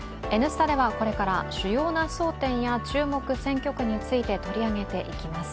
「Ｎスタ」ではこれから主要な争点や注目選挙区について取り上げていきます。